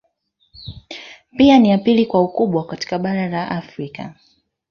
Pia ni ya pili kwa ukubwa katika Bara la Afrika